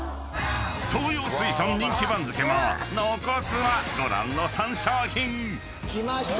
［東洋水産人気番付も残すはご覧の３商品］きました。